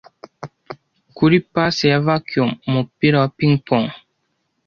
Kuri pase ya vacuum, umupira wa ping-pong